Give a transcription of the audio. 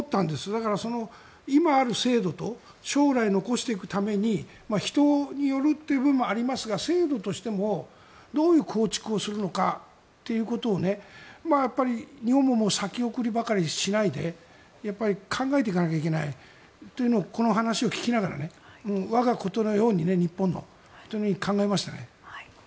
だから、今ある制度と将来残していくために人によるという部分もありますが制度としてもどういう構築するのかということを日本も先送りばかりしないでやっぱり考えていかなければいけないということをこの話を聞きながら我がことのように、日本のように考えましたね。